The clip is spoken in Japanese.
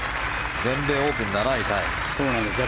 全米オープン７位タイ。